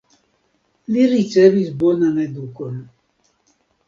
Li ricevis bonan edukadon.